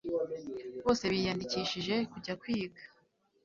bose biyandikishije kujya kwiga